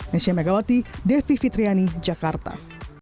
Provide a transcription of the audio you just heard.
nesya megawati devi fitriani jakarta